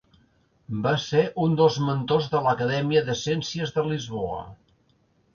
Va ser un dels mentors de l'Acadèmia de ciències de Lisboa.